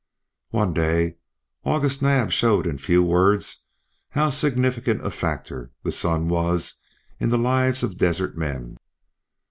One day August Naab showed in few words how significant a factor the sun was in the lives of desert men.